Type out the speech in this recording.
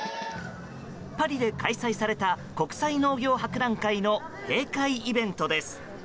パリで開催された国際農業博覧会の閉会イベントです。